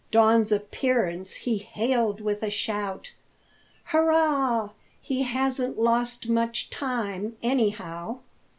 Don's appearance he hailed with a shout. "Hurrah! he hasn't lost much time, anyhow."